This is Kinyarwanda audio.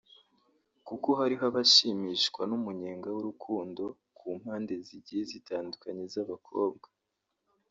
kuko hariho abashimishwa n’umunyenga w’urukundo ku mpande z’igiye zitandukanye z’abakobwa